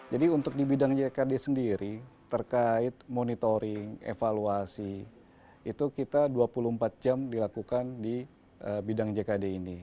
jadi untuk di bidang jkd sendiri terkait monitoring evaluasi itu kita dua puluh empat jam dilakukan di bidang jkd ini